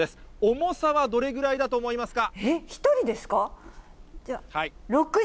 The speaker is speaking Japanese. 重さはどれぐらいだと思いますか？